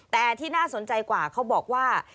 แต่ที่น่าสนใจกว่าเขาบอกว่า